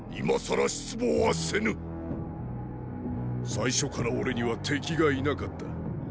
最初から俺には敵がいなかった。